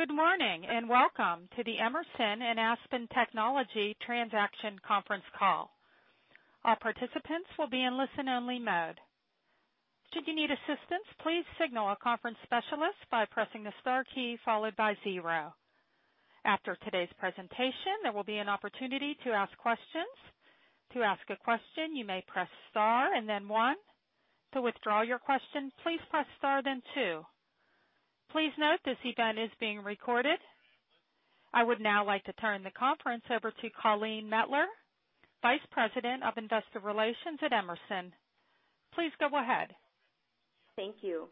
Good morning, and welcome to the Emerson and Aspen Technology Transaction conference call. I would now like to turn the conference over to Colleen Mettler, Vice President of Investor Relations at Emerson. Please go ahead. Thank you.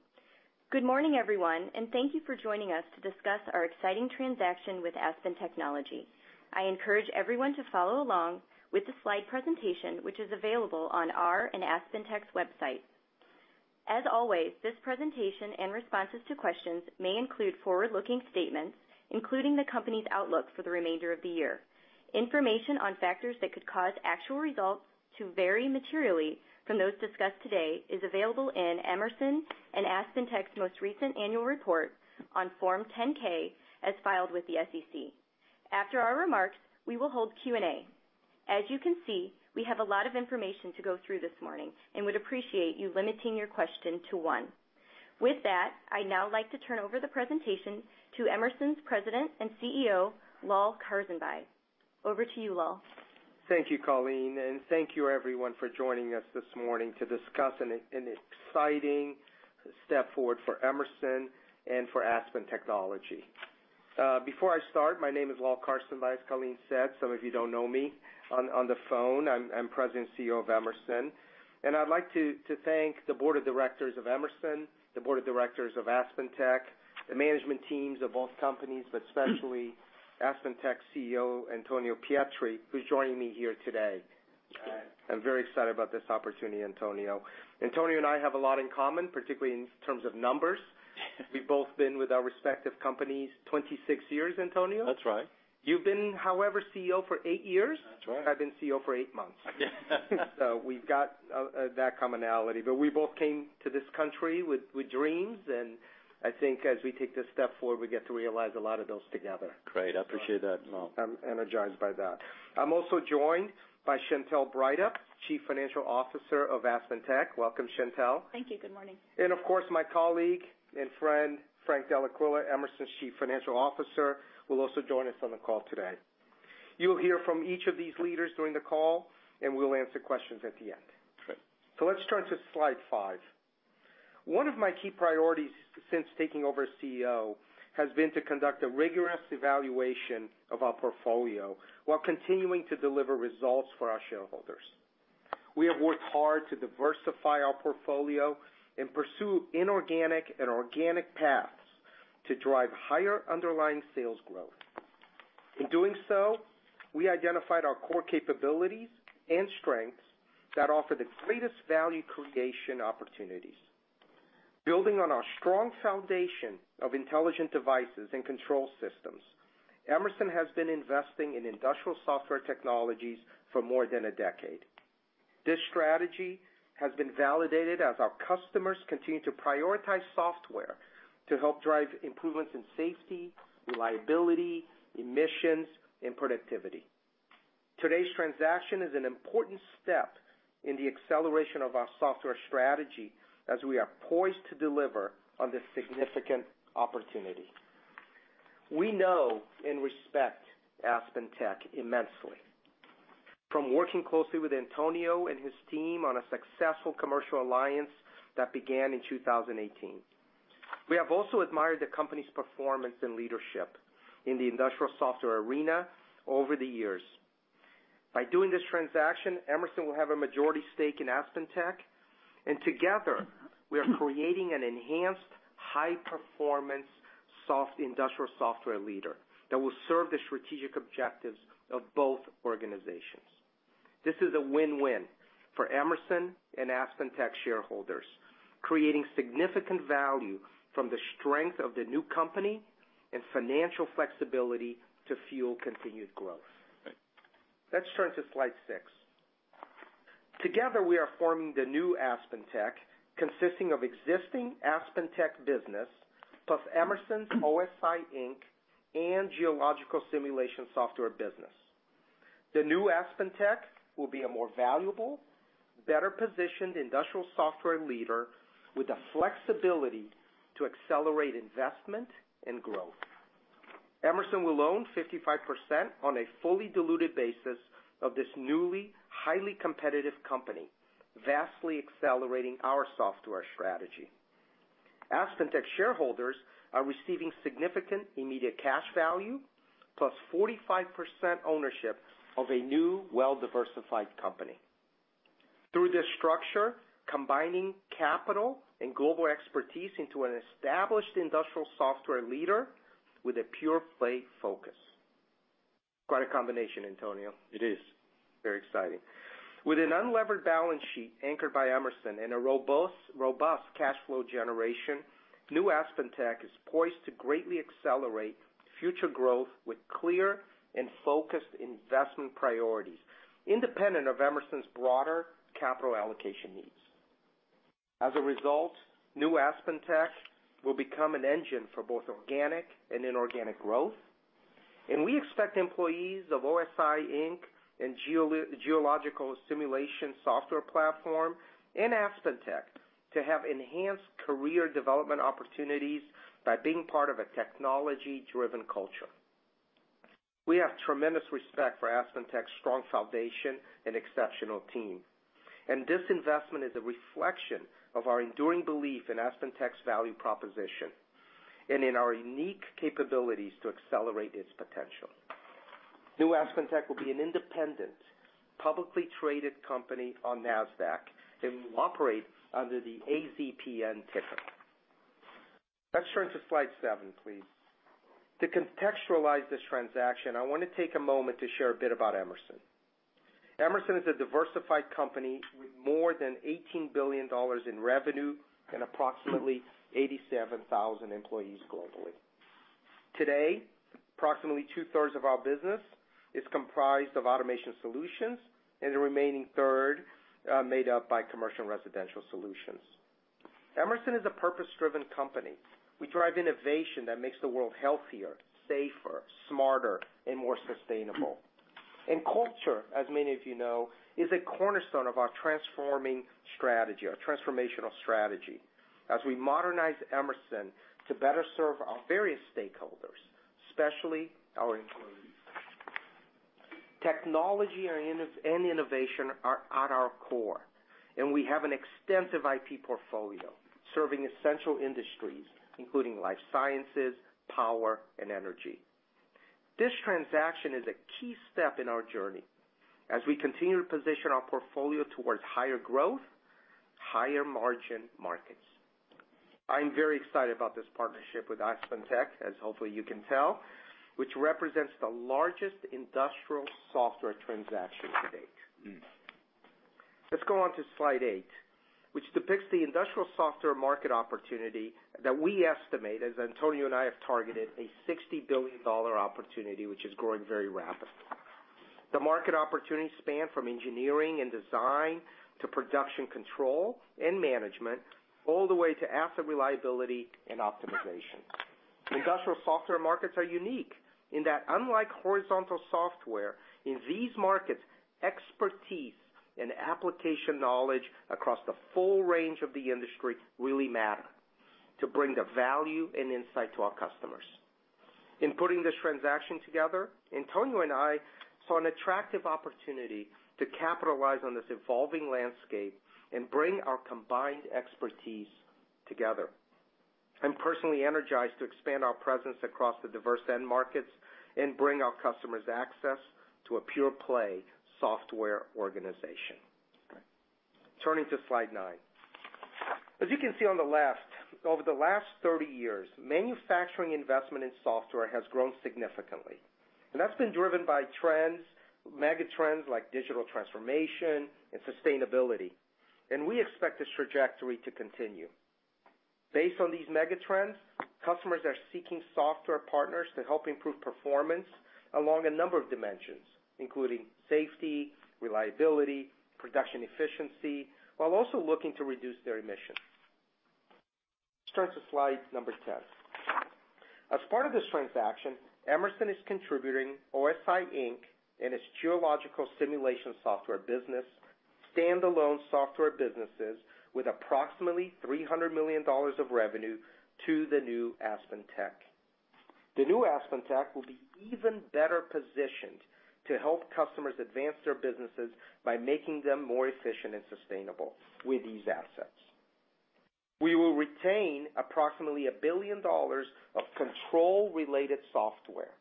Good morning, everyone, and thank you for joining us to discuss our exciting transaction with Aspen Technology. I encourage everyone to follow along with the slide presentation, which is available on our and AspenTech's website. As always, this presentation and responses to questions may include forward-looking statements, including the company's outlook for the remainder of the year. Information on factors that could cause actual results to vary materially from those discussed today is available in Emerson and AspenTech's most recent annual report on Form 10-K as filed with the SEC. After our remarks, we will hold Q&A. As you can see, we have a lot of information to go through this morning and would appreciate you limiting your question to one. With that, I'd now like to turn over the presentation to Emerson's President and CEO, Lal Karsanbhai. Over to you, Lal. Thank you, Colleen, thank you everyone for joining us this morning to discuss an exciting step forward for Emerson and for Aspen Technology. Before I start, my name is Lal Karsanbhai, as Colleen said. Some of you don't know me on the phone. I'm President and CEO of Emerson. I'd like to thank the Board of Directors of Emerson, the Board of Directors of AspenTech, the management teams of both companies, but especially AspenTech's CEO, Antonio Pietri, who's joining me here today. Hi. I'm very excited about this opportunity, Antonio. Antonio and I have a lot in common, particularly in terms of numbers. We've both been with our respective companies 26 years, Antonio? That's right. You've been, however, CEO for eight years. That's right. I've been CEO for eight months. We've got that commonality, but we both came to this country with dreams, and I think as we take this step forward, we get to realize a lot of those together. Great. I appreciate that, Lal. I'm energized by that. I'm also joined by Chantelle Breithaupt, Chief Financial Officer of AspenTech. Welcome, Chantelle. Thank you. Good morning. Of course, my colleague and friend, Frank Dellaquila, Emerson's Chief Financial Officer, will also join us on the call today. You'll hear from each of these leaders during the call, and we'll answer questions at the end. Great. Let's turn to slide five. One of my key priorities since taking over as CEO has been to conduct a rigorous evaluation of our portfolio while continuing to deliver results for our shareholders. We have worked hard to diversify our portfolio and pursue inorganic and organic paths to drive higher underlying sales growth. In doing so, we identified our core capabilities and strengths that offer the greatest value creation opportunities. Building on our strong foundation of intelligent devices and control systems, Emerson has been investing in industrial software technologies for more than a decade. This strategy has been validated as our customers continue to prioritize software to help drive improvements in safety, reliability, emissions, and productivity. Today's transaction is an important step in the acceleration of our software strategy as we are poised to deliver on this significant opportunity. We know and respect AspenTech immensely from working closely with Antonio and his team on a successful commercial alliance that began in 2018. We have also admired the company's performance and leadership in the industrial software arena over the years. By doing this transaction, Emerson will have a majority stake in AspenTech. Together, we are creating an enhanced high-performance industrial software leader that will serve the strategic objectives of both organizations. This is a win-win for Emerson and AspenTech shareholders, creating significant value from the strength of the new company and financial flexibility to fuel continued growth. Great. Let's turn to slide six. Together, we are forming the New AspenTech, consisting of existing AspenTech business, plus Emerson's OSI Inc. and Geological Simulation Software Business. The New AspenTech will be a more valuable, better-positioned industrial software leader with the flexibility to accelerate investment and growth. Emerson will own 55% on a fully diluted basis of this newly highly competitive company, vastly accelerating our software strategy. AspenTech shareholders are receiving significant immediate cash value, plus 45% ownership of a new, well-diversified company. Through this structure, combining capital and global expertise into an established industrial software leader with a pure-play focus. Quite a combination, Antonio. It is. Very exciting. With an unlevered balance sheet anchored by Emerson and a robust cash flow generation, New AspenTech is poised to greatly accelerate future growth with clear and focused investment priorities, independent of Emerson's broader capital allocation needs. New AspenTech will become an engine for both organic and inorganic growth. We expect employees of OSI Inc. and Geological Simulation Software Platform and AspenTech to have enhanced career development opportunities by being part of a technology-driven culture. We have tremendous respect for AspenTech's strong foundation and exceptional team. This investment is a reflection of our enduring belief in AspenTech's value proposition and in our unique capabilities to accelerate its potential. New AspenTech will be an independent, publicly traded company on NASDAQ, and will operate under the AZPN ticker. Let's turn to slide seven, please. To contextualize this transaction, I want to take a moment to share a bit about Emerson. Emerson is a diversified company with more than $18 billion in revenue and approximately 87,000 employees globally. Today, approximately two-thirds of our business is comprised of automation solutions, and the remaining third are made up by commercial residential solutions. Emerson is a purpose-driven company. We drive innovation that makes the world healthier, safer, smarter, and more sustainable. Culture, as many of you know, is a cornerstone of our transformational strategy as we modernize Emerson to better serve our various stakeholders, especially our employees. Technology and innovation are at our core, and we have an extensive IP portfolio serving essential industries, including life sciences, power, and energy. This transaction is a key step in our journey as we continue to position our portfolio towards higher growth, higher margin markets. I'm very excited about this partnership with AspenTech, as hopefully you can tell, which represents the largest industrial software transaction to date. Let's go on to slide eight, which depicts the industrial software market opportunity that we estimate, as Antonio and I have targeted, a $60 billion opportunity, which is growing very rapidly. The market opportunities span from engineering and design to production control and management, all the way to asset reliability and optimization. Industrial software markets are unique in that unlike horizontal software, in these markets, expertise and application knowledge across the full range of the industry really matter to bring the value and insight to our customers. In putting this transaction together, Antonio and I saw an attractive opportunity to capitalize on this evolving landscape and bring our combined expertise together. I'm personally energized to expand our presence across the diverse end markets and bring our customers access to a pure play software organization. Turning to slide nine. As you can see on the left, over the last 30 years, manufacturing investment in software has grown significantly. That's been driven by mega trends like digital transformation and sustainability. We expect this trajectory to continue. Based on these mega trends, customers are seeking software partners to help improve performance along a number of dimensions, including safety, reliability, production efficiency, while also looking to reduce their emissions. Let's turn to slide number 10. As part of this transaction, Emerson is contributing OSI Inc. and its geological simulation software business, standalone software businesses with approximately $300 million of revenue to the New AspenTech. The new AspenTech will be even better positioned to help customers advance their businesses by making them more efficient and sustainable with these assets. We will retain approximately $1 billion of control-related software,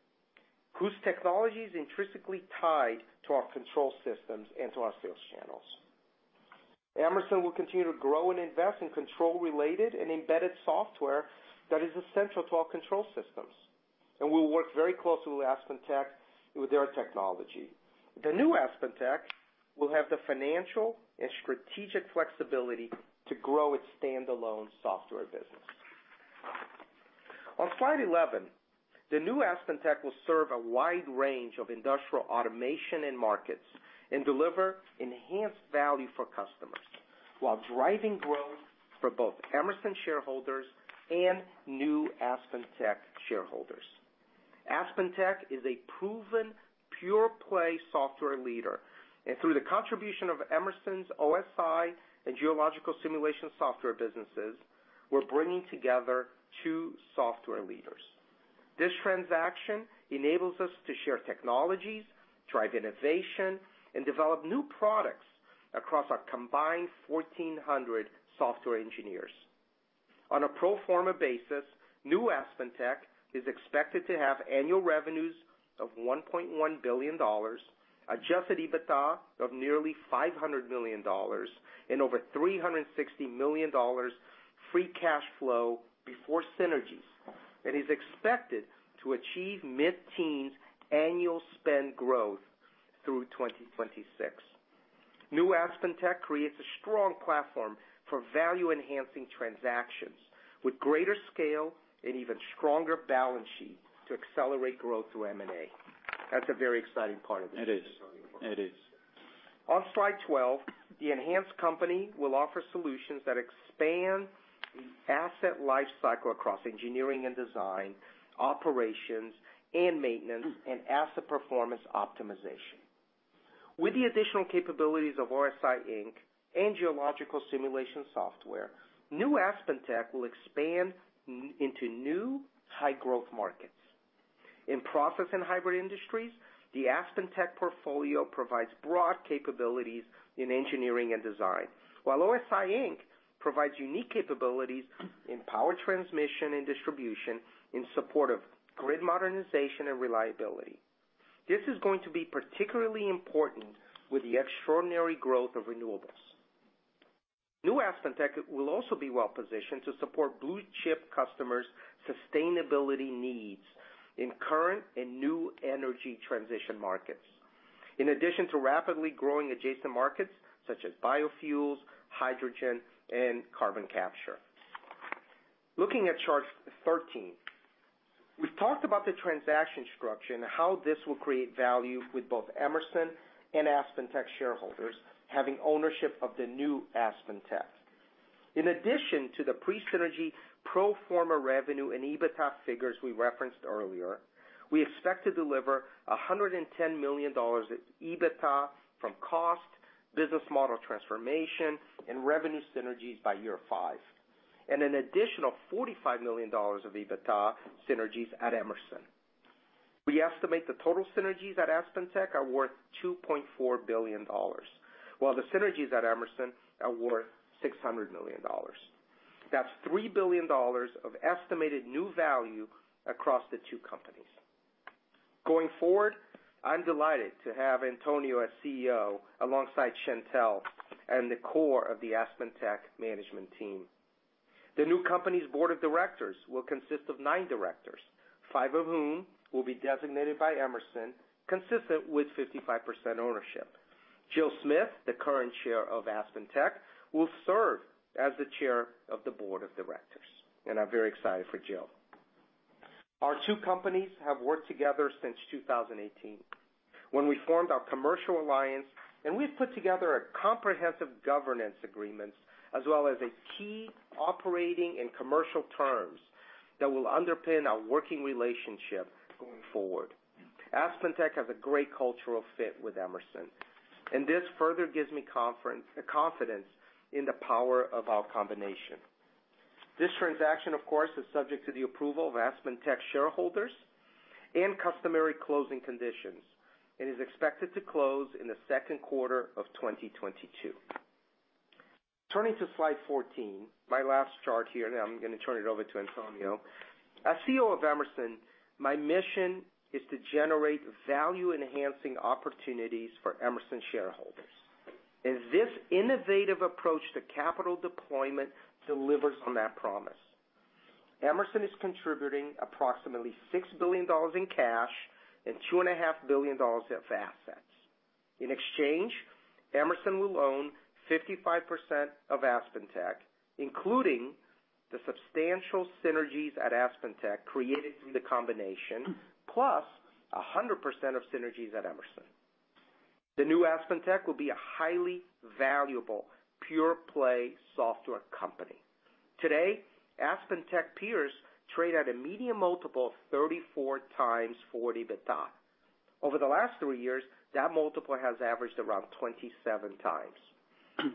whose technology is intrinsically tied to our control systems and to our sales channels. Emerson will continue to grow and invest in control-related and embedded software that is essential to our control systems. We will work very closely with AspenTech with their technology. The new AspenTech will have the financial and strategic flexibility to grow its standalone software business. On slide 11, the new AspenTech will serve a wide range of industrial automation end markets and deliver enhanced value for customers while driving growth for both Emerson shareholders and new AspenTech shareholders. AspenTech is a proven pure play software leader, and through the contribution of Emerson's OSI and geological simulation software businesses, we're bringing together two software leaders. This transaction enables us to share technologies, drive innovation, and develop new products across our combined 1,400 software engineers. On a pro forma basis, New AspenTech is expected to have annual revenues of $1.1 billion, adjusted EBITDA of nearly $500 million, and over $360 million free cash flow before synergies, and is expected to achieve mid-teens annual spend growth through 2026. New AspenTech creates a strong platform for value-enhancing transactions with greater scale and even stronger balance sheet to accelerate growth through M&A. That's a very exciting part of this. It is. On slide 12, the enhanced company will offer solutions that expand the asset life cycle across engineering and design, operations and maintenance, and asset performance optimization. With the additional capabilities of OSI Inc. and geological simulation software, New AspenTech will expand into new high growth markets. In process and hybrid industries, the AspenTech portfolio provides broad capabilities in engineering and design, while OSI Inc. provides unique capabilities in power transmission and distribution in support of grid modernization and reliability. This is going to be particularly important with the extraordinary growth of renewables. New AspenTech will also be well-positioned to support blue chip customers' sustainability needs in current and new energy transition markets, in addition to rapidly growing adjacent markets such as biofuels, hydrogen, and carbon capture. Looking at chart 13, we've talked about the transaction structure and how this will create value with both Emerson and AspenTech shareholders having ownership of the New AspenTech. In addition to the pre-synergy pro forma revenue and EBITDA figures we referenced earlier, we expect to deliver $110 million EBITDA from cost, business model transformation, and revenue synergies by year five, and an additional $45 million of EBITDA synergies at Emerson. We estimate the total synergies at AspenTech are worth $2.4 billion, while the synergies at Emerson are worth $600 million. That's $3 billion of estimated new value across the two companies. Going forward, I'm delighted to have Antonio as CEO alongside Chantelle and the core of the AspenTech management team. The new company's board of directors will consist of nine directors, five of whom will be designated by Emerson, consistent with 55% ownership. Jill Smith, the current chair of AspenTech, will serve as the chair of the board of directors, and I'm very excited for Jill. Our two companies have worked together since 2018 when we formed our commercial alliance, and we've put together a comprehensive governance agreement as well as key operating and commercial terms that will underpin our working relationship going forward. AspenTech has a great cultural fit with Emerson, and this further gives me confidence in the power of our combination. This transaction, of course, is subject to the approval of AspenTech shareholders and customary closing conditions and is expected to close in the second quarter of 2022. Turning to slide 14, my last chart here. I'm going to turn it over to Antonio. As CEO of Emerson, my mission is to generate value-enhancing opportunities for Emerson shareholders. This innovative approach to capital deployment delivers on that promise. Emerson is contributing approximately $6 billion in cash and $2.5 billion of assets. In exchange, Emerson will own 55% of AspenTech, including the substantial synergies at AspenTech created through the combination, plus 100% of synergies at Emerson. The new AspenTech will be a highly valuable pure play software company. Today, AspenTech peers trade at a median multiple of 34x forward EBITDA. Over the last three years, that multiple has averaged around 27x.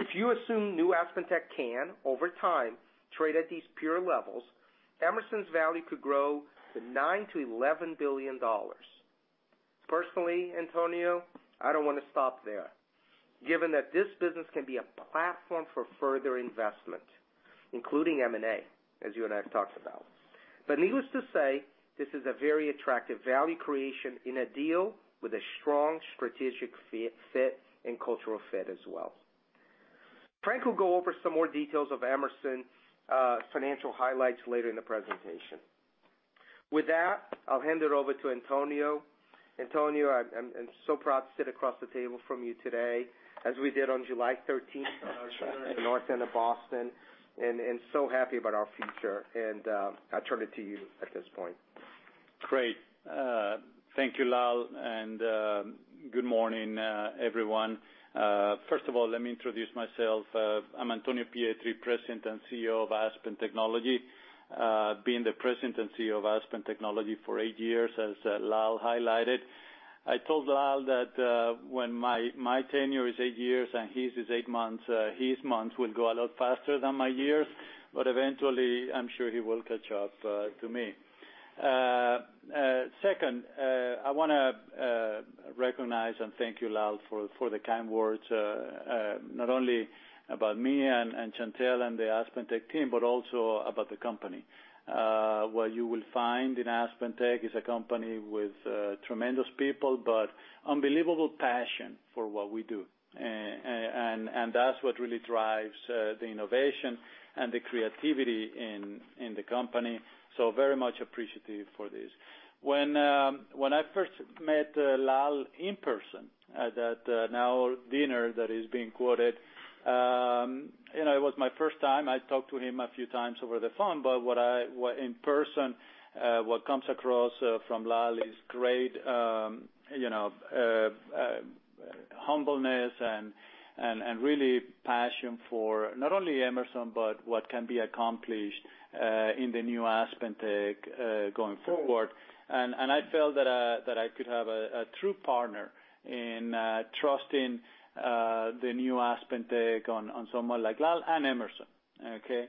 If you assume new AspenTech can, over time, trade at these peer levels, Emerson's value could grow to $9 billion-$11 billion. Personally, Antonio, I don't want to stop there given that this business can be a platform for further investment, including M&A, as you and I have talked about. Needless to say, this is a very attractive value creation in a deal with a strong strategic fit and cultural fit as well. Frank Dellaquila will go over some more details of Emerson's financial highlights later in the presentation. With that, I'll hand it over to Antonio Pietri. Antonio Pietri, I'm so proud to sit across the table from you today as we did on July 13th at the North End of Boston, and so happy about our future, and I turn it to you at this point. Great. Thank you, Lal Karsanbhai, good morning, everyone. First of all, let me introduce myself. I'm Antonio Pietri, President and CEO of Aspen Technology. Been the President and CEO of Aspen Technology for eight years, as Lal Karsanbhai highlighted. I told Lal Karsanbhai that when my tenure is eight years and his is eight months, his months will go a lot faster than my years, but eventually, I'm sure he will catch up to me. Second, I want to recognize and thank you, Lal Karsanbhai, for the kind words, not only about me and Chantelle Breithaupt and the AspenTech team, but also about the company. What you will find in AspenTech is a company with tremendous people, but unbelievable passion for what we do. That's what really drives the innovation and the creativity in the company. Very much appreciative for this. When I first met Lal in person at that now dinner that is being quoted, it was my first time. I talked to him a few times over the phone. In person, what comes across from Lal is great humbleness and really passion for not only Emerson, but what can be accomplished in the new AspenTech going forward. I felt that I could have a true partner in trusting the new AspenTech on someone like Lal and Emerson. Okay.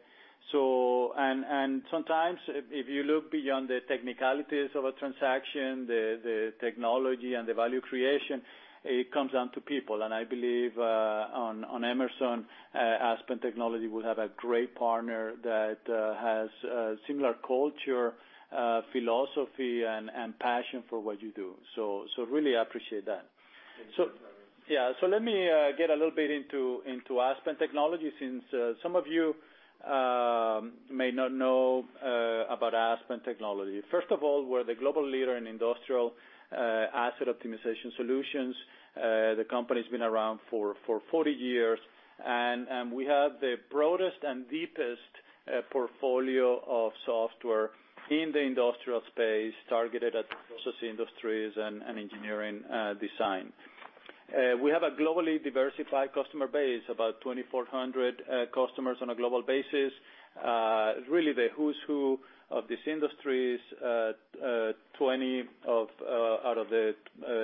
Sometimes if you look beyond the technicalities of a transaction, the technology and the value creation, it comes down to people. I believe on Emerson, Aspen Technology will have a great partner that has a similar culture, philosophy, and passion for what you do. Really appreciate that. Thank you for having me. Yeah. Let me get a little bit into Aspen Technology since some of you may not know about Aspen Technology. First of all, we're the global leader in industrial asset optimization solutions. The company's been around for 40 years. We have the broadest and deepest portfolio of software in the industrial space, targeted at processing industries and engineering design. We have a globally diversified customer base, about 2,400 customers on a global basis. Really the who's who of these industries. 20 out of the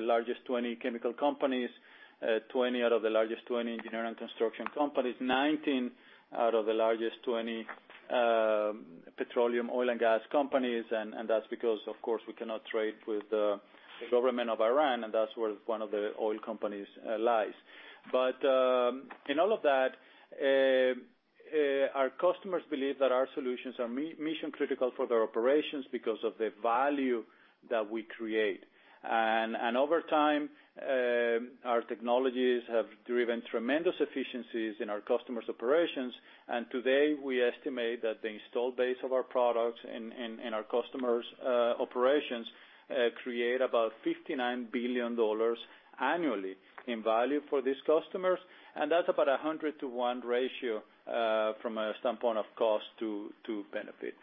largest 20 chemical companies, 20 out of the largest 20 engineering and construction companies, 19 out of the largest 20 petroleum, oil and gas companies, and that's because, of course, we cannot trade with the government of Iran, and that's where one of the oil companies lies. In all of that, our customers believe that our solutions are mission critical for their operations because of the value that we create. Over time, our technologies have driven tremendous efficiencies in our customers' operations. Today, we estimate that the installed base of our products in our customers' operations create about $59 billion annually in value for these customers. That's about 100:1 ratio from a standpoint of cost to benefit.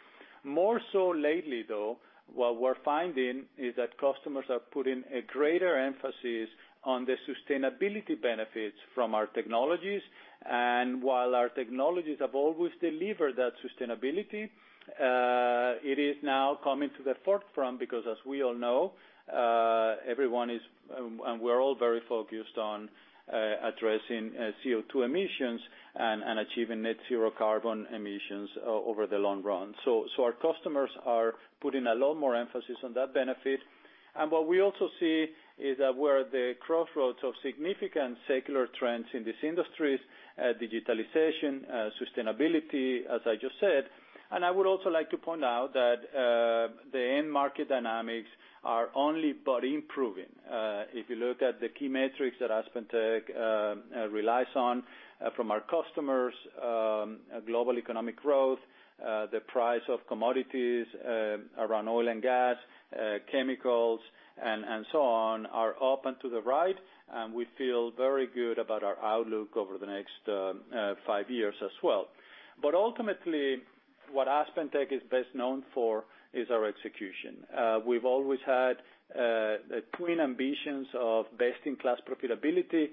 More so lately, though, what we're finding is that customers are putting a greater emphasis on the sustainability benefits from our technologies. While our technologies have always delivered that sustainability, it is now coming to the forefront because, as we all know, we're all very focused on addressing CO2 emissions and achieving net zero carbon emissions over the long run. Our customers are putting a lot more emphasis on that benefit. What we also see is that we're at the crossroads of significant secular trends in these industries, digitalization, sustainability, as I just said. I would also like to point out that the end market dynamics are only but improving. If you look at the key metrics that AspenTech relies on from our customers, global economic growth, the price of commodities around oil and gas, chemicals, and so on are up and to the right. We feel very good about our outlook over the next five years as well. Ultimately, what AspenTech is best known for is our execution. We've always had twin ambitions of best-in-class profitability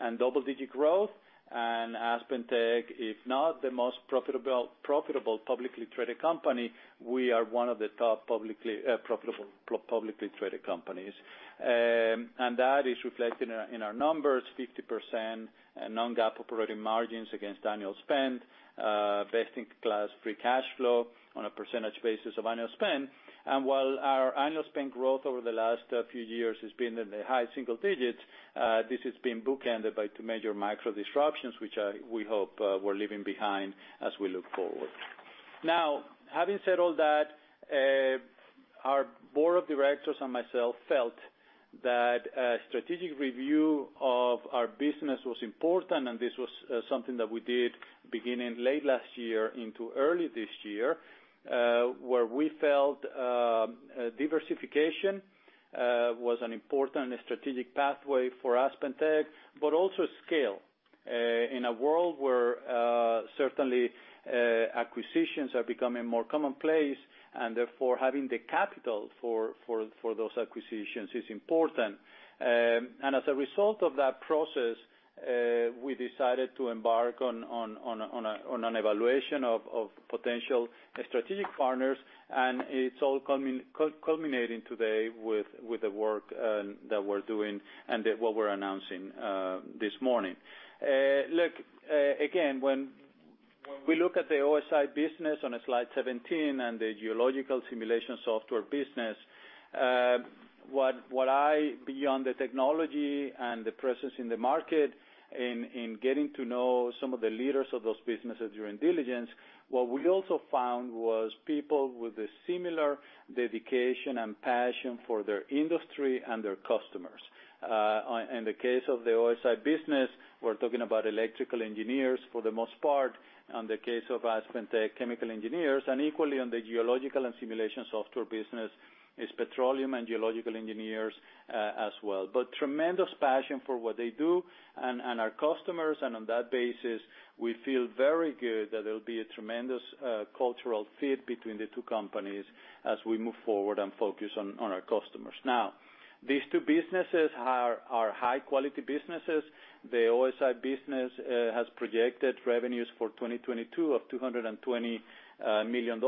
and double-digit growth. AspenTech, if not the most profitable publicly traded company, we are one of the top profitable publicly traded companies. That is reflected in our numbers, 50% non-GAAP operating margins against annual spend, best-in-class free cash flow on a percentage basis of annual spend. While our annual spend growth over the last few years has been in the high single digits, this has been bookended by two major macro disruptions, which we hope we're leaving behind as we look forward. Having said all that, our board of directors and myself felt that a strategic review of our business was important, and this was something that we did beginning late last year into early this year, where we felt diversification was an important strategic pathway for AspenTech, but also scale. In a world where certainly acquisitions are becoming more commonplace, and therefore having the capital for those acquisitions is important. As a result of that process, we decided to embark on an evaluation of potential strategic partners. It's all culminating today with the work that we're doing and what we're announcing this morning. Look, again, when we look at the OSI business on slide 17 and the geological simulation software business. Beyond the technology and the presence in the market, in getting to know some of the leaders of those businesses during diligence, what we also found was people with a similar dedication and passion for their industry and their customers. In the case of the OSI business, we're talking about electrical engineers for the most part. On the case of AspenTech, chemical engineers. Equally on the geological and simulation software business is petroleum and geological engineers as well. Tremendous passion for what they do. Our customers, and on that basis, we feel very good that it'll be a tremendous cultural fit between the two companies as we move forward and focus on our customers. Now, these two businesses are high-quality businesses. The OSI business has projected revenues for 2022 of $220 million,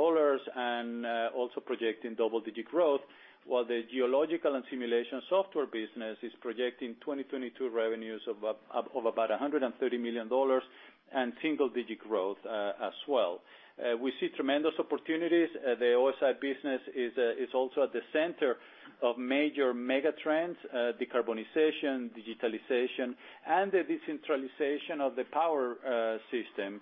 and also projecting double-digit growth, while the geological and simulation software business is projecting 2022 revenues of about $130 million and single-digit growth as well. We see tremendous opportunities. The OSI business is also at the center of major mega trends: decarbonization, digitalization, and the decentralization of the power system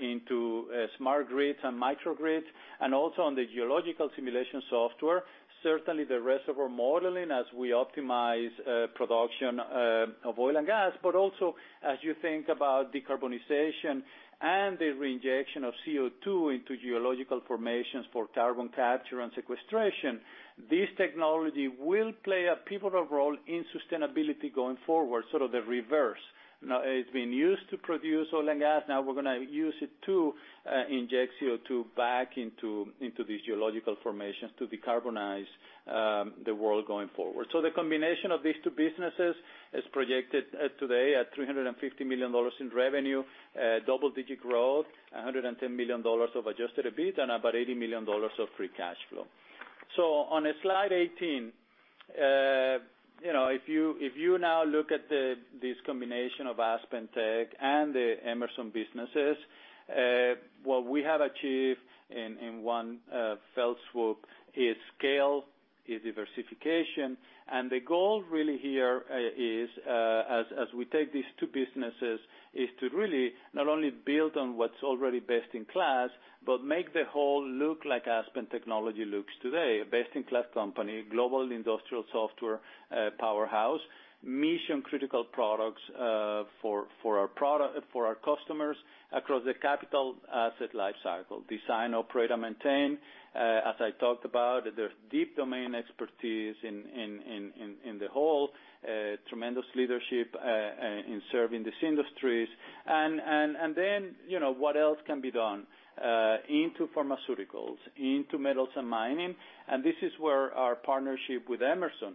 into smart grids and microgrids, and also on the geological simulation software. Certainly, the reservoir modeling as we optimize production of oil and gas. Also as you think about decarbonization and the reinjection of CO2 into geological formations for carbon capture and sequestration, this technology will play a pivotal role in sustainability going forward, sort of the reverse. Now, it's been used to produce oil and gas. Now we're going to use it to inject CO2 back into these geological formations to decarbonize the world going forward. The combination of these two businesses is projected today at $350 million in revenue, double-digit growth, $110 million of adjusted EBIT, and about $80 million of free cash flow. On slide 18, if you now look at this combination of AspenTech and the Emerson businesses, what we have achieved in one fell swoop is scale, is diversification. The goal really here is, as we take these two businesses, is to really not only build on what's already best in class, but make the whole look like Aspen Technology looks today. A best-in-class company, global industrial software powerhouse, mission-critical products for our customers across the capital asset lifecycle. Design, operate, and maintain. As I talked about, there's deep domain expertise in the whole, tremendous leadership in serving these industries. What else can be done into pharmaceuticals, into metals and mining? This is where our partnership with Emerson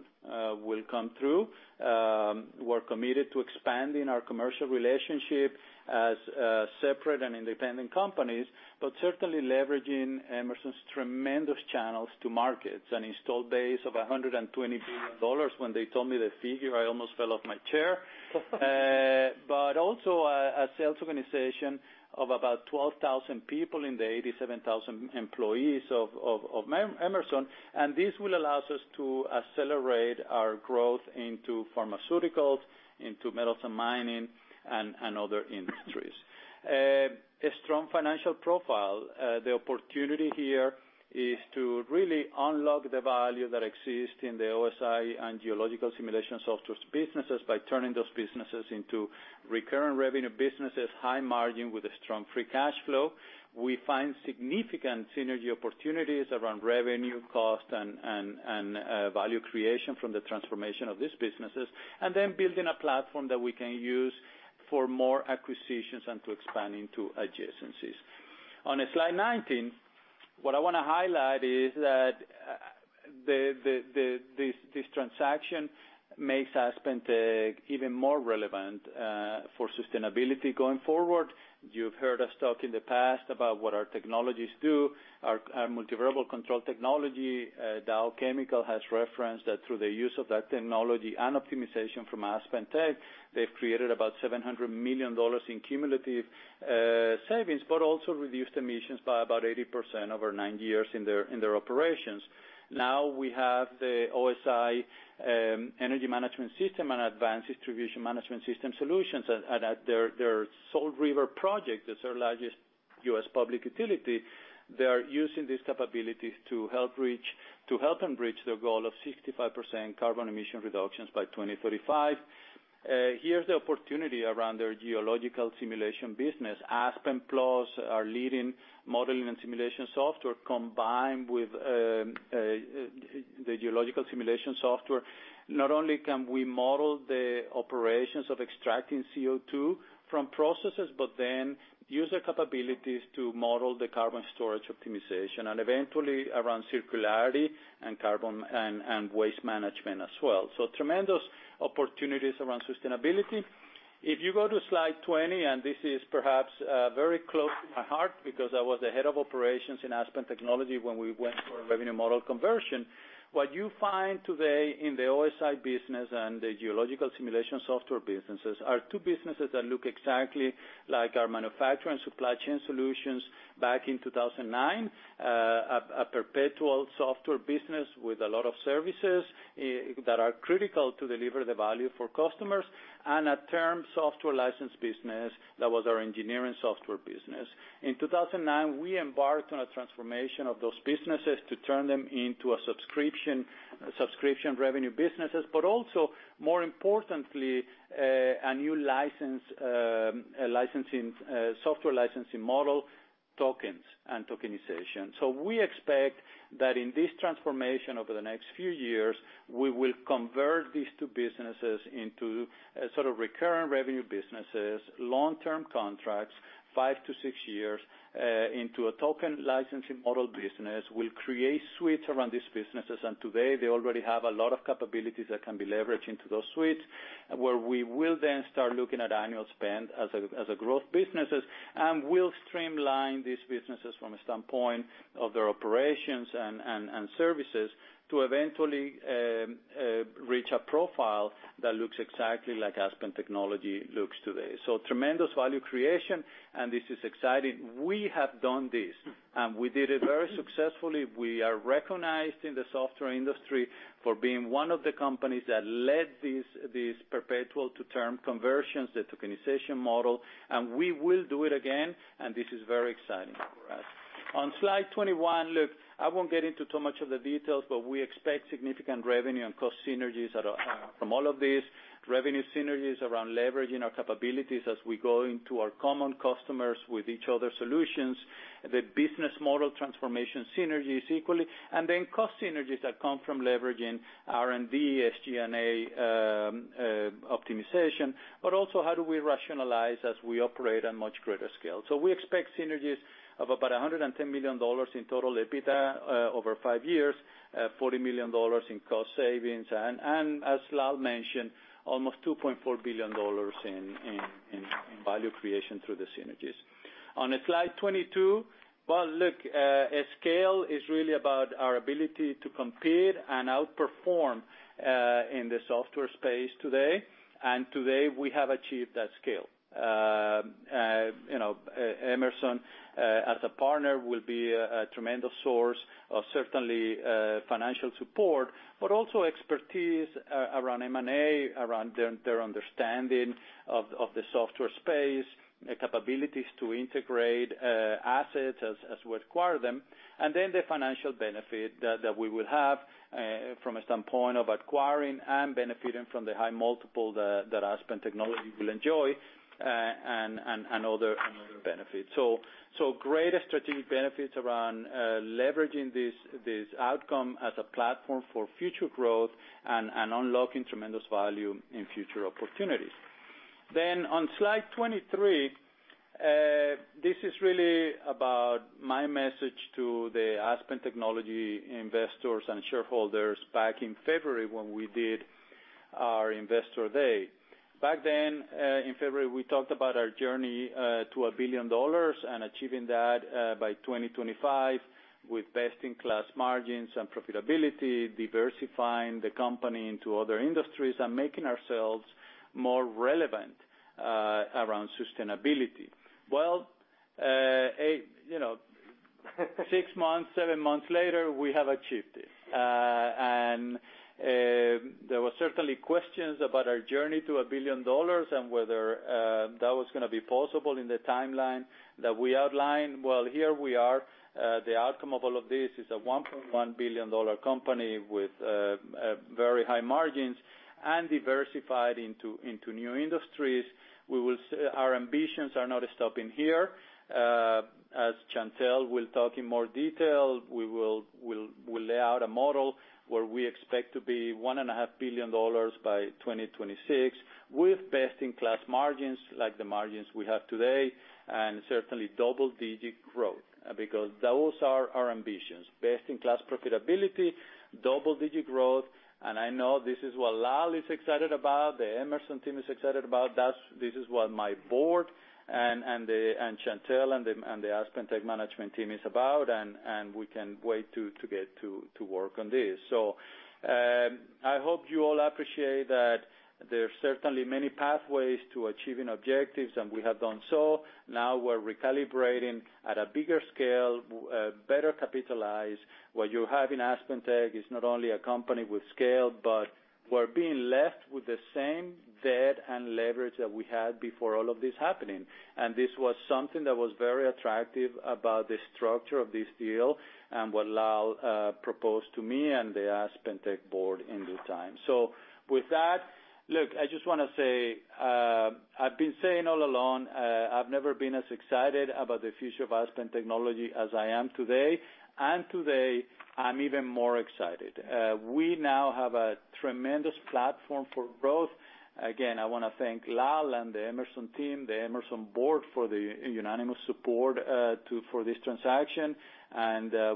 will come through. We're committed to expanding our commercial relationship as separate and independent companies, but certainly leveraging Emerson's tremendous channels to markets. An installed base of $120 billion. When they told me the figure, I almost fell off my chair. Also a sales organization of about 12,000 people in the 87,000 employees of Emerson. This will allow us to accelerate our growth into pharmaceuticals, into metals and mining, and other industries. A strong financial profile. The opportunity here is to really unlock the value that exists in the OSI and geological simulation software businesses by turning those businesses into recurrent revenue businesses, high margin with a strong free cash flow. We find significant synergy opportunities around revenue, cost, and value creation from the transformation of these businesses. Then building a platform that we can use for more acquisitions and to expand into adjacencies. On slide 19, what I want to highlight is that this transaction makes AspenTech even more relevant for sustainability going forward. You've heard us talk in the past about what our technologies do. Our multivariable control technology. Dow Chemical has referenced that through the use of that technology and optimization from AspenTech, they've created about $700 million in cumulative savings, but also reduced emissions by about 80% over nine years in their operations. We have the OSI energy management system and advanced distribution management system solutions. At their Salt River Project, that's their largest U.S. public utility, they are using these capabilities to help them reach their goal of 65% carbon emission reductions by 2035. Here's the opportunity around their geological simulation business. Aspen Plus, our leading modeling and simulation software, combined with the geological simulation software. Not only can we model the operations of extracting CO2 from processes, but then use the capabilities to model the carbon storage optimization, and eventually around circularity and waste management as well. Tremendous opportunities around sustainability. If you go to slide 20, this is perhaps very close to my heart because I was the head of operations in Aspen Technology when we went for a revenue model conversion. What you find today in the OSI business and the geological simulation software businesses are two businesses that look exactly like our Manufacturing and Supply Chain solutions back in 2009. A perpetual software business with a lot of services that are critical to deliver the value for customers, and a term software license business that was our engineering software business. In 2009, we embarked on a transformation of those businesses to turn them into a subscription revenue businesses. Also, more importantly, a new software licensing model. Tokens and tokenization. We expect that in this transformation over the next few years, we will convert these two businesses into a sort of recurring revenue businesses, long-term contracts, five to six years, into a token licensing model business. We'll create suites around these businesses, and today they already have a lot of capabilities that can be leveraged into those suites, where we will then start looking at annual spend as a growth businesses. We'll streamline these businesses from a standpoint of their operations and services to eventually reach a profile that looks exactly like Aspen Technology looks today. Tremendous value creation, and this is exciting. We have done this, and we did it very successfully. We are recognized in the software industry for being one of the companies that led these perpetual to term conversions, the tokenization model, and we will do it again, and this is very exciting for us. On slide 21, look, I won't get into too much of the details, but we expect significant revenue and cost synergies from all of this. Revenue synergies around leveraging our capabilities as we go into our common customers with each other's solutions. The business model transformation synergies equally, and then cost synergies that come from leveraging R&D, SG&A optimization, but also how do we rationalize as we operate on much greater scale. We expect synergies of about $110 million in total EBITDA over five years, $40 million in cost savings, and as Lal Karsanbhai mentioned, almost $2.4 billion in value creation through the synergies. On slide 22, well, look, scale is really about our ability to compete and outperform in the software space today, and today we have achieved that scale. Emerson, as a partner, will be a tremendous source of certainly financial support, but also expertise around M&A, around their understanding of the software space, capabilities to integrate assets as we acquire them. The financial benefit that we will have from a standpoint of acquiring and benefiting from the high multiple that Aspen Technology will enjoy, and other benefits. Greater strategic benefits around leveraging this outcome as a platform for future growth and unlocking tremendous value in future opportunities. On slide 23, this is really about my message to the Aspen Technology investors and shareholders back in February when we did our Investor Day. Back then in February, we talked about our journey to $1 billion and achieving that by 2025 with best-in-class margins and profitability, diversifying the company into other industries and making ourselves more relevant around sustainability. Well, six months, seven months later, we have achieved it. There were certainly questions about our journey to $1 billion and whether that was gonna be possible in the timeline that we outlined. Well, here we are. The outcome of all of this is a $1.1 billion company with very high margins and diversified into new industries. Our ambitions are not stopping here. As Chantelle will talk in more detail, we'll lay out a model where we expect to be $1.5 billion by 2026 with best-in-class margins like the margins we have today, and certainly double-digit growth. Those are our ambitions, best-in-class profitability, double-digit growth. I know this is what Lal is excited about, the Emerson team is excited about. This is what my board and Chantelle and the AspenTech management team is about, and we can't wait to get to work on this. I hope you all appreciate that there are certainly many pathways to achieving objectives, and we have done so. Now we're recalibrating at a bigger scale, better capitalized. What you have in AspenTech is not only a company with scale, but we're being left with the same debt and leverage that we had before all of this happening. This was something that was very attractive about the structure of this deal and what Lal proposed to me and the AspenTech board in due time. With that, look, I just wanna say, I've been saying all along, I've never been as excited about the future of Aspen Technology as I am today. Today, I'm even more excited. We now have a tremendous platform for growth. Again, I wanna thank Lal and the Emerson team, the Emerson board for the unanimous support for this transaction.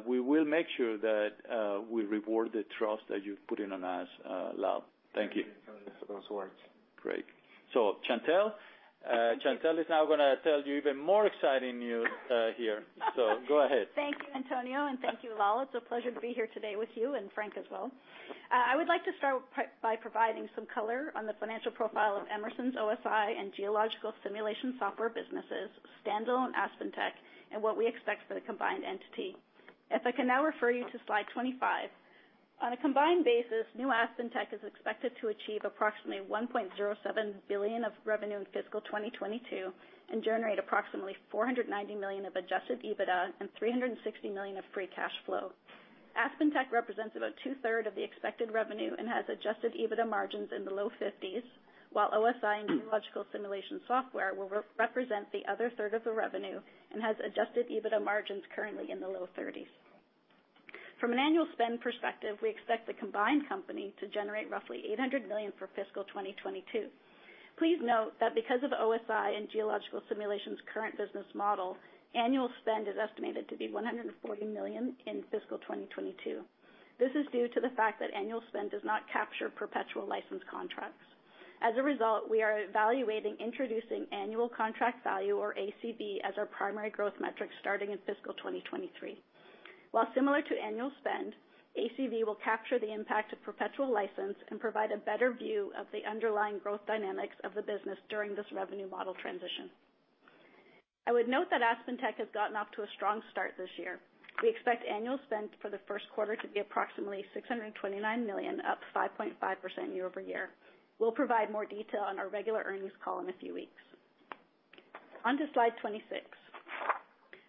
We will make sure that we reward the trust that you've put in us, Lal. Thank you. Thank you for those words. Great. Chantelle is now going to tell you even more exciting news here. Go ahead. Thank you, Antonio, and thank you, Lal. It's a pleasure to be here today with you and Frank as well. I would like to start by providing some color on the financial profile of Emerson's OSI and Geological Simulation software businesses, standalone AspenTech, and what we expect for the combined entity. If I can now refer you to slide 25. On a combined basis, New AspenTech is expected to achieve approximately $1.07 billion of revenue in fiscal 2022 and generate approximately $490 million of adjusted EBITDA and $360 million of free cash flow. AspenTech represents about two-third of the expected revenue and has adjusted EBITDA margins in the low 50s, while OSI and Geological Simulation software will represent the other third of the revenue and has adjusted EBITDA margins currently in the low 30s. From an annual spend perspective, we expect the combined company to generate roughly $800 million for fiscal 2022. Please note that because of OSI and Geological Simulation's current business model, annual spend is estimated to be $140 million in fiscal 2022. This is due to the fact that annual spend does not capture perpetual license contracts. As a result, we are evaluating introducing annual contract value, or ACV, as our primary growth metric starting in fiscal 2023. While similar to annual spend, ACV will capture the impact of perpetual license and provide a better view of the underlying growth dynamics of the business during this revenue model transition. I would note that AspenTech has gotten off to a strong start this year. We expect annual spend for the first quarter to be approximately $629 million, up 5.5% year-over-year. We'll provide more detail on our regular earnings call in a few weeks. On to slide 26.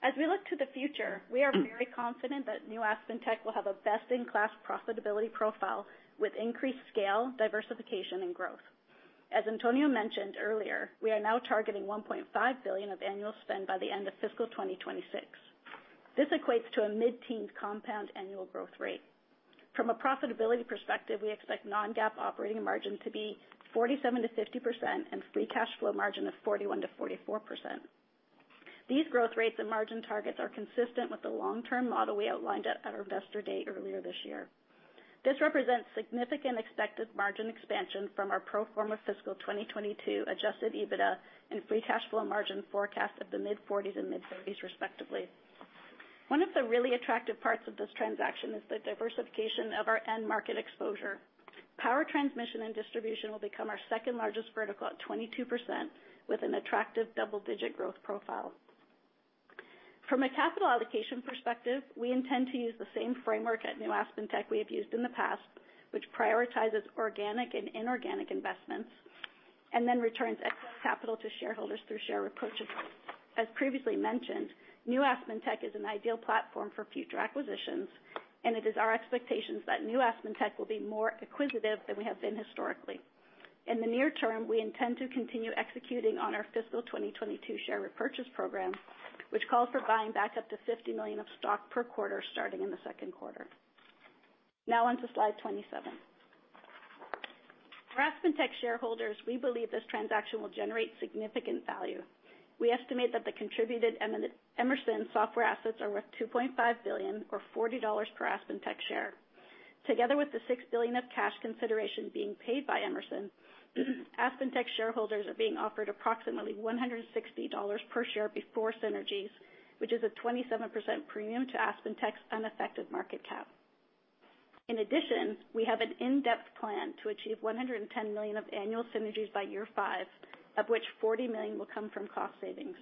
As we look to the future, we are very confident that New AspenTech will have a best-in-class profitability profile with increased scale, diversification, and growth. As Antonio mentioned earlier, we are now targeting $1.5 billion of annual spend by the end of FY 2026. This equates to a mid-teen compound annual growth rate. From a profitability perspective, we expect non-GAAP operating margin to be 47%-50% and free cash flow margin of 41%-44%. These growth rates and margin targets are consistent with the long-term model we outlined at our investor day earlier this year. This represents significant expected margin expansion from our pro forma FY 2022 adjusted EBITDA and free cash flow margin forecast of the mid-40s% and mid-30s% respectively. One of the really attractive parts of this transaction is the diversification of our end market exposure. Power transmission and distribution will become our second largest vertical at 22%, with an attractive double-digit growth profile. From a capital allocation perspective, we intend to use the same framework at New AspenTech we have used in the past, which prioritizes organic and inorganic investments, then returns excess capital to shareholders through share repurchases. As previously mentioned, New AspenTech is an ideal platform for future acquisitions, it is our expectations that New AspenTech will be more acquisitive than we have been historically. In the near term, we intend to continue executing on our fiscal 2022 share repurchase program, which calls for buying back up to $50 million of stock per quarter starting in the second quarter. On to slide 27. For AspenTech shareholders, we believe this transaction will generate significant value. We estimate that the contributed Emerson software assets are worth $2.5 billion, or $40 per AspenTech share. Together with the $6 billion of cash consideration being paid by Emerson, AspenTech shareholders are being offered approximately $160 per share before synergies, which is a 27% premium to AspenTech's unaffected market cap. In addition, we have an in-depth plan to achieve $110 million of annual synergies by year five, of which $40 million will come from cost savings.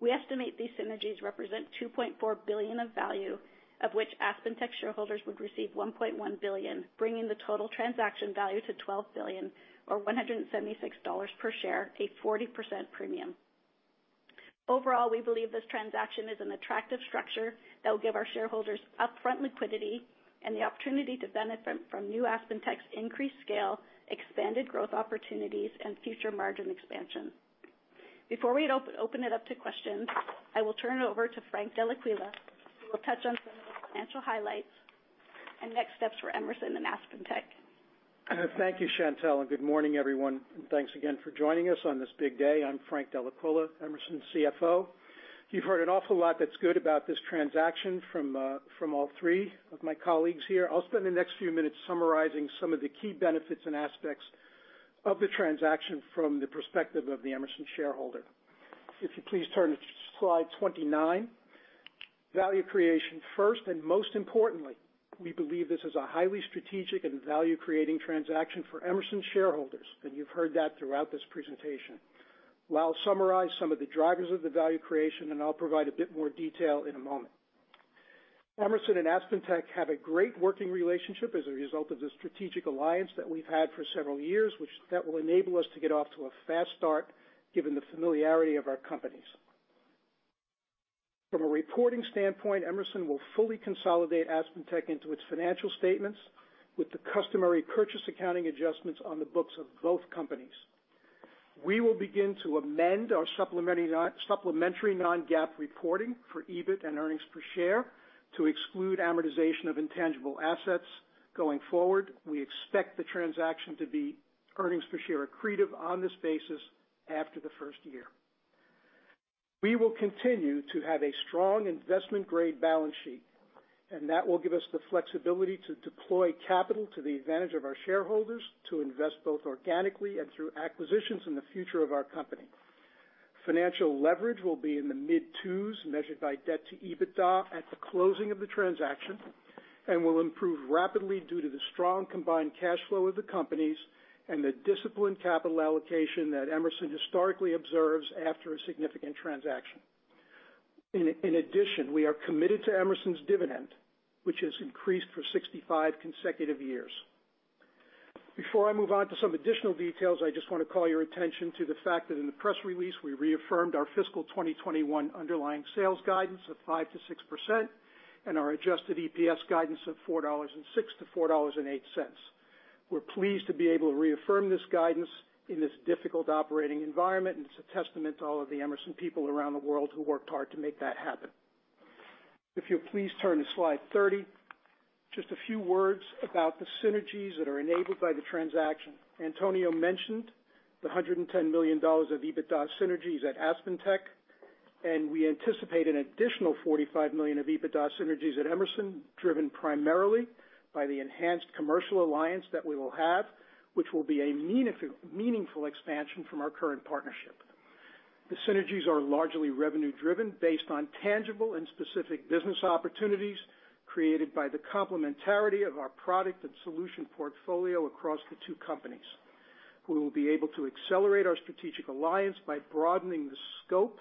We estimate these synergies represent $2.4 billion of value, of which AspenTech shareholders would receive $1.1 billion, bringing the total transaction value to $12 billion, or $176 per share, a 40% premium. Overall, we believe this transaction is an attractive structure that will give our shareholders upfront liquidity and the opportunity to benefit from New AspenTech's increased scale, expanded growth opportunities, and future margin expansion. Before we open it up to questions, I will turn it over to Frank Dellaquila, who will touch on some of the financial highlights and next steps for Emerson and AspenTech. Thank you, Chantelle. Good morning, everyone, and thanks again for joining us on this big day. I'm Frank Dellaquila, Emerson's CFO. You've heard an awful lot that's good about this transaction from all three of my colleagues here. I'll spend the next few minutes summarizing some of the key benefits and aspects of the transaction from the perspective of the Emerson shareholder. If you please turn to slide 29. Value creation first, and most importantly, we believe this is a highly strategic and value-creating transaction for Emerson shareholders, and you've heard that throughout this presentation. Lal Karsanbhai summarized some of the drivers of the value creation, and I'll provide a bit more detail in a moment. Emerson and AspenTech have a great working relationship as a result of the strategic alliance that we've had for several years, that will enable us to get off to a fast start given the familiarity of our companies. From a reporting standpoint, Emerson will fully consolidate AspenTech into its financial statements with the customary purchase accounting adjustments on the books of both companies. We will begin to amend our supplementary non-GAAP reporting for EBIT and earnings per share to exclude amortization of intangible assets. Going forward, we expect the transaction to be earnings per share accretive on this basis after the first year. We will continue to have a strong investment-grade balance sheet, and that will give us the flexibility to deploy capital to the advantage of our shareholders to invest both organically and through acquisitions in the future of our company. Financial leverage will be in the mid 2s, measured by debt to EBITDA at the closing of the transaction, and will improve rapidly due to the strong combined cash flow of the companies and the disciplined capital allocation that Emerson historically observes after a significant transaction. In addition, we are committed to Emerson's dividend, which has increased for 65 consecutive years. Before I move on to some additional details, I just want to call your attention to the fact that in the press release, we reaffirmed our fiscal 2021 underlying sales guidance of 5%-6% and our adjusted EPS guidance of $4.06-$4.08. We're pleased to be able to reaffirm this guidance in this difficult operating environment, and it's a testament to all of the Emerson people around the world who worked hard to make that happen. If you'll please turn to slide 30, just a few words about the synergies that are enabled by the transaction. Antonio mentioned the $110 million of EBITDA synergies at AspenTech, and we anticipate an additional $45 million of EBITDA synergies at Emerson, driven primarily by the enhanced commercial alliance that we will have, which will be a meaningful expansion from our current partnership. The synergies are largely revenue driven based on tangible and specific business opportunities created by the complementarity of our product and solution portfolio across the two companies. We will be able to accelerate our strategic alliance by broadening the scope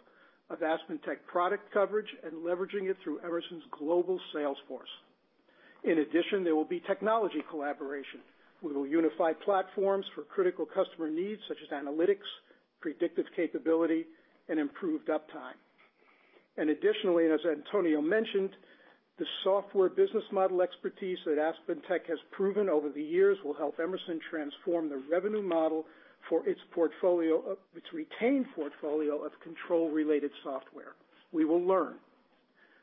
of AspenTech product coverage and leveraging it through Emerson's global sales force. In addition, there will be technology collaboration. We will unify platforms for critical customer needs such as analytics, predictive capability, and improved uptime. Additionally, as Antonio mentioned, the software business model expertise that AspenTech has proven over the years will help Emerson transform the revenue model for its retained portfolio of control-related software. We will learn.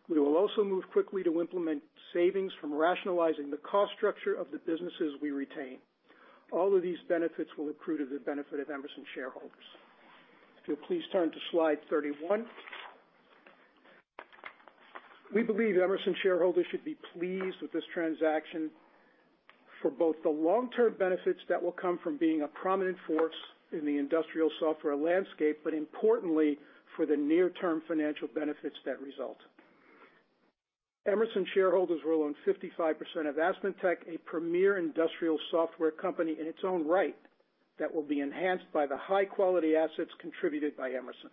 We will also move quickly to implement savings from rationalizing the cost structure of the businesses we retain. All of these benefits will accrue to the benefit of Emerson shareholders. Please turn to slide 31. We believe Emerson shareholders should be pleased with this transaction for both the long-term benefits that will come from being a prominent force in the industrial software landscape, but importantly, for the near-term financial benefits that result. Emerson shareholders will own 55% of AspenTech, a premier industrial software company in its own right, that will be enhanced by the high-quality assets contributed by Emerson.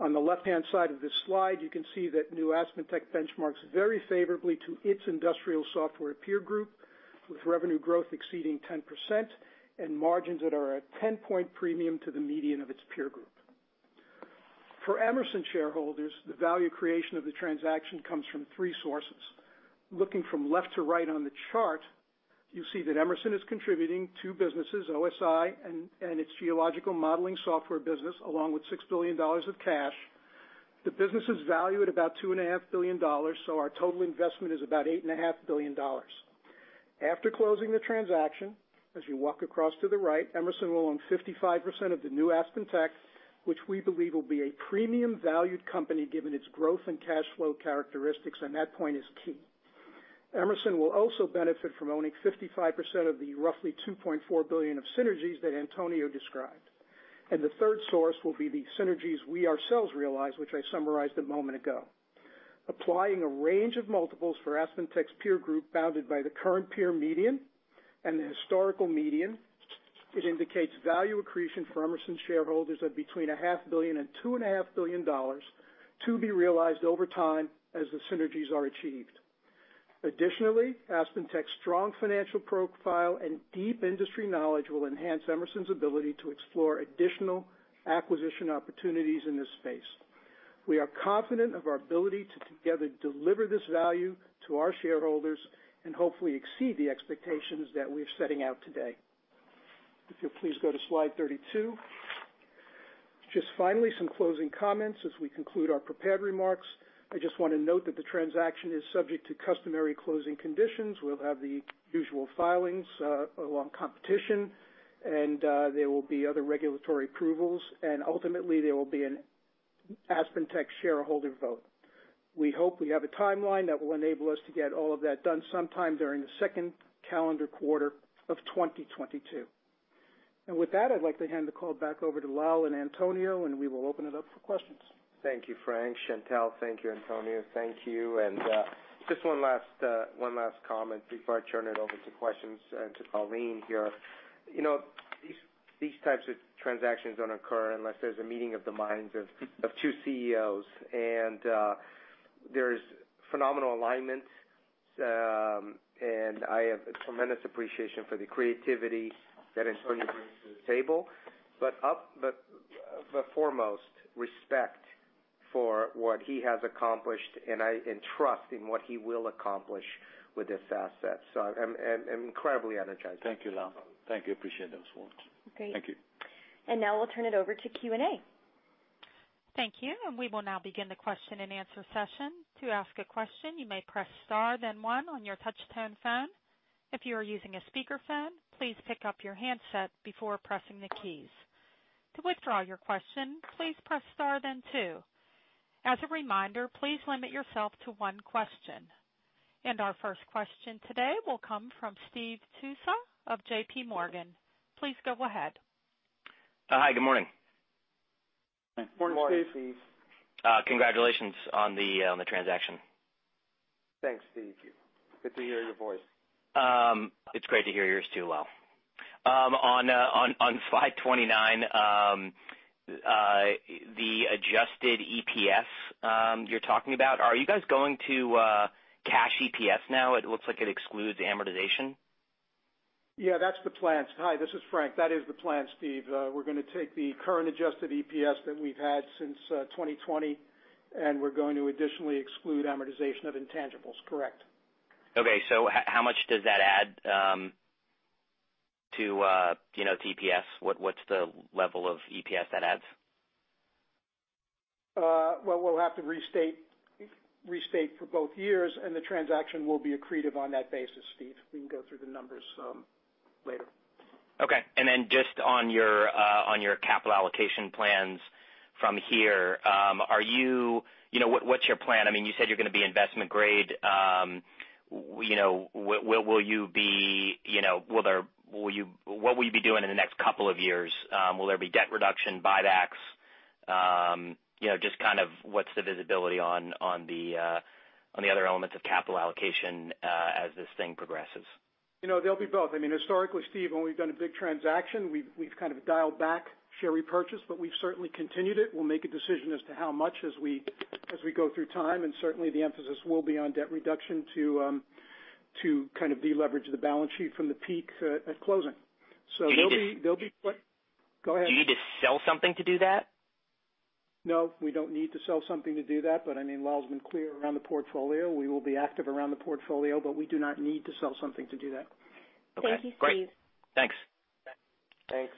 On the left-hand side of this slide, you can see that New AspenTech benchmarks very favorably to its industrial software peer group, with revenue growth exceeding 10% and margins that are at 10-point premium to the median of its peer group. For Emerson shareholders, the value creation of the transaction comes from three sources. Looking from left to right on the chart, you see that Emerson is contributing two businesses, OSI and its geological modeling software business, along with $6 billion of cash. The business is valued at about $2.5 billion. Our total investment is about $8.5 billion. After closing the transaction, as you walk across to the right, Emerson will own 55% of the New AspenTech, which we believe will be a premium valued company given its growth and cash flow characteristics, and that point is key. Emerson will also benefit from owning 55% of the roughly $2.4 billion of synergies that Antonio described. The third source will be the synergies we ourselves realize, which I summarized a moment ago. Applying a range of multiples for AspenTech's peer group bounded by the current peer median and the historical median, it indicates value accretion for Emerson shareholders of between $500 million and $2.5 billion to be realized over time as the synergies are achieved. Additionally, AspenTech's strong financial profile and deep industry knowledge will enhance Emerson's ability to explore additional acquisition opportunities in this space. We are confident of our ability to together deliver this value to our shareholders and hopefully exceed the expectations that we're setting out today. If you'll please go to slide 32. Just finally, some closing comments as we conclude our prepared remarks. I just want to note that the transaction is subject to customary closing conditions. We'll have the usual filings along competition, and there will be other regulatory approvals, and ultimately there will be an AspenTech shareholder vote. We hope we have a timeline that will enable us to get all of that done sometime during the second calendar quarter of 2022. With that, I'd like to hand the call back over to Lal and Antonio, and we will open it up for questions. Thank you, Frank. Chantelle, thank you, Antonio. Thank you. Just one last comment before I turn it over to questions and to Colleen here. These types of transactions don't occur unless there's a meeting of the minds of two CEOs, and there's phenomenal alignment, and I have a tremendous appreciation for the creativity that Antonio brings to the table. Foremost, respect for what he has accomplished, and trust in what he will accomplish with this asset. I'm incredibly energized. Thank you, Lal. Thank you. Appreciate those words. Great. Thank you. Now we'll turn it over to Q&A. Thank you. We will now begin the question and answer session. To ask a question, you may press star then one on your touch-tone phone. If you are using a speakerphone, please pick up your handset before pressing the keys. To withdraw your question, please press star then two. As a reminder, please limit yourself to one question. Our first question today will come from Steve Tusa of JPMorgan. Please go ahead. Hi, good morning. Morning, Steve. Morning, Steve. Congratulations on the transaction. Thanks, Steve. Good to hear your voice. It's great to hear yours too, Lal. On slide 29. The adjusted EPS you're talking about, are you guys going to cash EPS now? It looks like it excludes amortization. Yeah, that's the plan. Hi, this is Frank. That is the plan, Steve. We're going to take the current adjusted EPS that we've had since 2020, and we're going to additionally exclude amortization of intangibles. Correct. Okay. How much does that add to EPS? What's the level of EPS that adds? Well, we'll have to restate for both years, and the transaction will be accretive on that basis, Steve. We can go through the numbers later. Okay. Just on your capital allocation plans from here, what's your plan? You said you're going to be investment grade. What will you be doing in the next couple of years? Will there be debt reduction, buybacks? Just what's the visibility on the other elements of capital allocation as this thing progresses? There'll be both. Historically, Steve, when we've done a big transaction, we've kind of dialed back share repurchase, but we've certainly continued it. We'll make a decision as to how much as we go through time, and certainly the emphasis will be on debt reduction to kind of deleverage the balance sheet from the peak at closing. Do you need to- Go ahead. Do you need to sell something to do that? No, we don't need to sell something to do that. Lal's been clear around the portfolio. We will be active around the portfolio, but we do not need to sell something to do that. Okay, great. Thank you, Steve. Thanks. Thanks.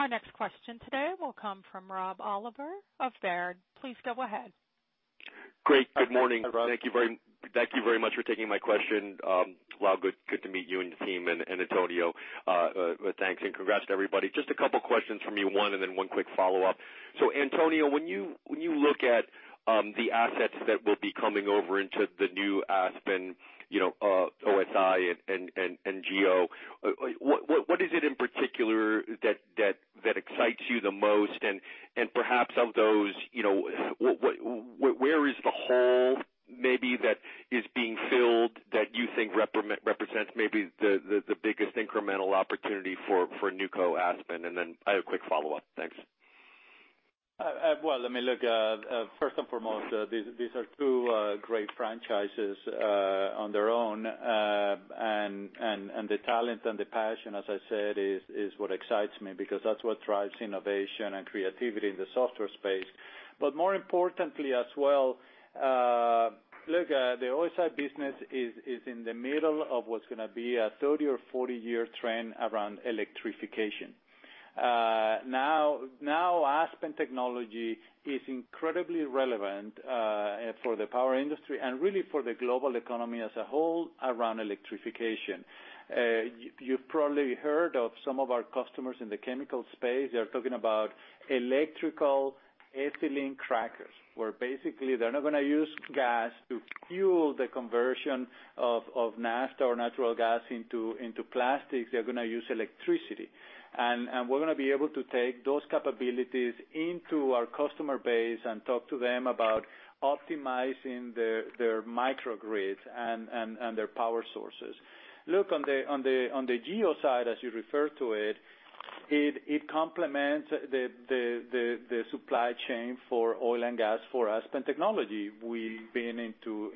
Our next question today will come from Rob Oliver of Baird. Please go ahead. Great. Good morning. Thank you very much for taking my question. Lal, good to meet you and your team, and Antonio. Thanks and congrats to everybody. Just a couple questions from me, one, and then one quick follow-up. Antonio, when you look at the assets that will be coming over into the New AspenTech, OSI Inc. and Geo, what is it in particular that excites you the most? Perhaps of those, where is the hole maybe that is being filled that you think represents maybe the biggest incremental opportunity for New AspenTech? I have a quick follow-up. Thanks. Well, look, first and foremost, these are two great franchises on their own. The talent and the passion, as I said, is what excites me, because that's what drives innovation and creativity in the software space. More importantly as well, look, the OSI business is in the middle of what's going to be a 30 or 40 year trend around electrification. Aspen Technology is incredibly relevant for the power industry and really for the global economy as a whole around electrification. You've probably heard of some of our customers in the chemical space. They are talking about electrical ethylene crackers, where basically they're not going to use gas to fuel the conversion of naphtha or natural gas into plastics. They're going to use electricity. We're going to be able to take those capabilities into our customer base and talk to them about optimizing their microgrids and their power sources. Look, on the Geo side, as you refer to it complements the supply chain for oil and gas for Aspen Technology. We've been into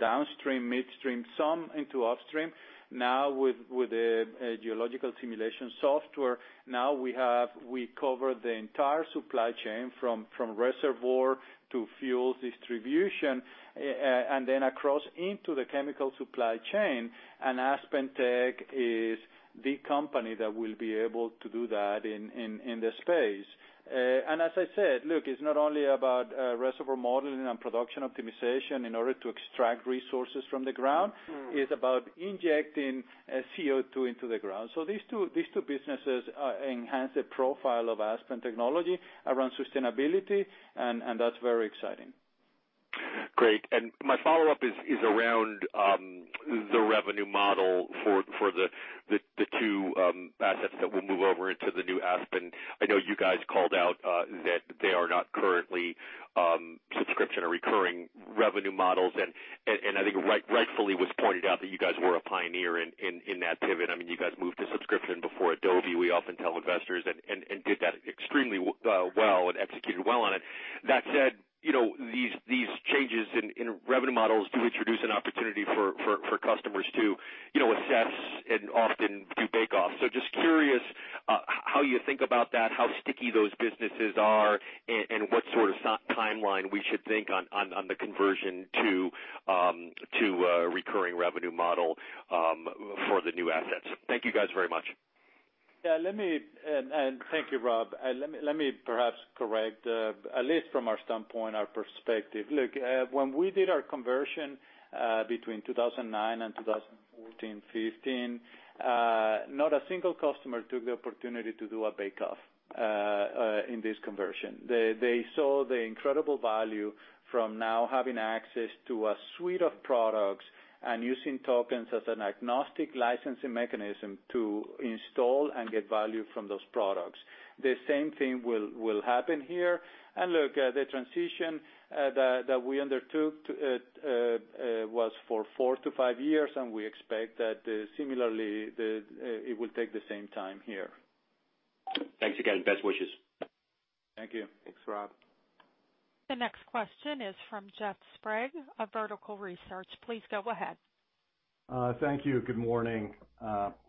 downstream, midstream, some into upstream. Now with the geological simulation software, now we cover the entire supply chain from reservoir to fuel distribution, and then across into the chemical supply chain. AspenTech is the company that will be able to do that in this space. As I said, look, it's not only about reservoir modeling and production optimization in order to extract resources from the ground. It's about injecting CO2 into the ground. These two businesses enhance the profile of Aspen Technology around sustainability, and that's very exciting. Great. My follow-up is around the revenue model for the two assets that will move over into the New AspenTech. I know you guys called out that they are not currently subscription or recurring revenue models, and I think rightfully was pointed out that you guys were a pioneer in that pivot. You guys moved to subscription before Adobe, we often tell investors, and did that extremely well and executed well on it. That said, these changes in revenue models do introduce an opportunity for customers to assess and often do bake-offs. Just curious how you think about that, how sticky those businesses are, and what sort of timeline we should think on the conversion to a recurring revenue model for the new assets. Thank you guys very much. Yeah. Thank you, Rob. Let me perhaps correct, at least from our standpoint, our perspective. Look, when we did our conversion between 2009 and 2014, 2015, not a single customer took the opportunity to do a bake-off in this conversion. They saw the incredible value from now having access to a suite of products and using tokens as an agnostic licensing mechanism to install and get value from those products. The same thing will happen here. Look, the transition that we undertook was for four to five years, and we expect that similarly, it will take the same time here. Thanks again. Best wishes. Thank you. Thanks, Rob. The next question is from Jeff Sprague of Vertical Research Partners. Please go ahead. Thank you. Good morning.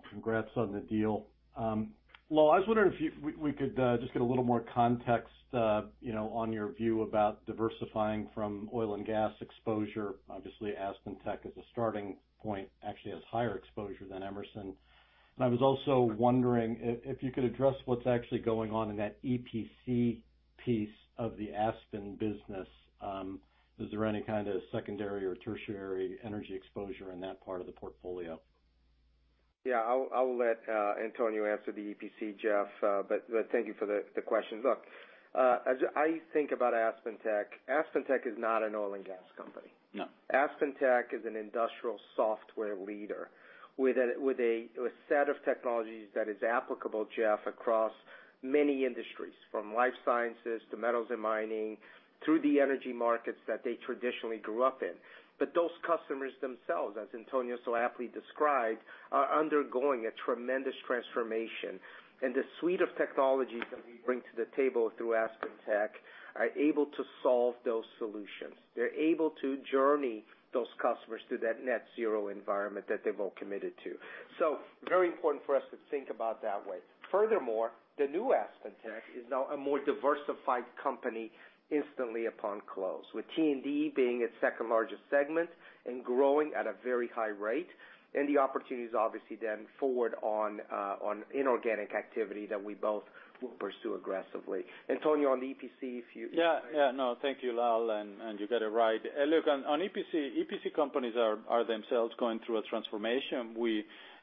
Congrats on the deal. Lal, I was wondering if we could just get a little more context on your view about diversifying from oil and gas exposure. Obviously, AspenTech as a starting point, actually has higher exposure than Emerson. I was also wondering if you could address what's actually going on in that EPC piece of the Aspen business. Is there any kind of secondary or tertiary energy exposure in that part of the portfolio? Yeah. I'll let Antonio answer the EPC, Jeff, but thank you for the questions. Look, as I think about AspenTech is not an oil and gas company. No. AspenTech is an industrial software leader with a set of technologies that is applicable, Jeff, across many industries, from life sciences to metals and mining, through the energy markets that they traditionally grew up in. Those customers themselves, as Antonio so aptly described, are undergoing a tremendous transformation. The suite of technologies that we bring to the table through AspenTech are able to solve those solutions. They're able to journey those customers through that net zero environment that they've all committed to. Very important for us to think about that way. Furthermore, the new AspenTech is now a more diversified company instantly upon close, with T&D being its second largest segment and growing at a very high rate, and the opportunities obviously then forward on inorganic activity that we both will pursue aggressively. Antonio, on the EPC, if you. Yeah. No. Thank you, Lal, and you got it right. Look, on EPC companies are themselves going through a transformation.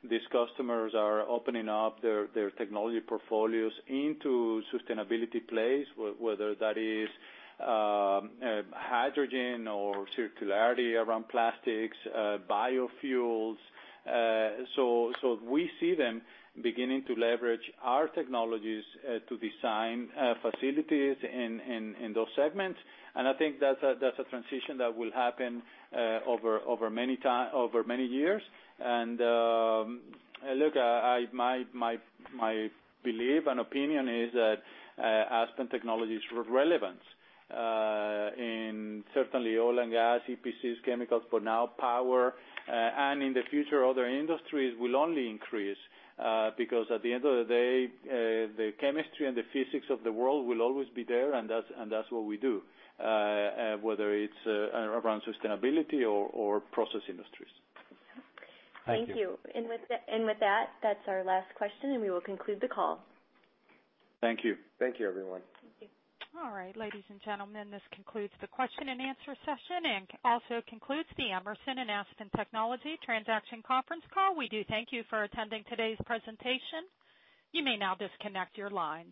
These customers are opening up their technology portfolios into sustainability plays, whether that is hydrogen or circularity around plastics, biofuels. We see them beginning to leverage our technologies to design facilities in those segments, and I think that's a transition that will happen over many years. Look, my belief and opinion is that Aspen Technology's relevance in certainly oil and gas, EPCs, chemicals, but now power, and in the future, other industries, will only increase. Because at the end of the day, the chemistry and the physics of the world will always be there, and that's what we do, whether it's around sustainability or process industries. Thank you. Thank you. With that's our last question, and we will conclude the call. Thank you. Thank you, everyone. Thank you. All right, ladies and gentlemen, this concludes the question and answer session, and also concludes the Emerson and Aspen Technology transaction conference call. We do thank you for attending today's presentation. You may now disconnect your line.